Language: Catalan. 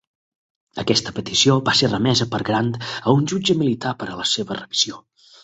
Aquesta petició va ser remesa per Grant a un jutge militar per a la seva revisió.